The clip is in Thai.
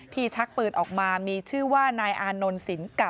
ชักปืนออกมามีชื่อว่านายอานนท์สินกะ